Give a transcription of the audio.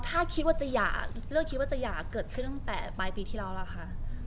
ถ้าคิดว่าจะหย่าเรื่องคิดว่าจะหย่าเกิดขึ้นตั้งแต่ปลายปีที่แล้วล่ะค่ะ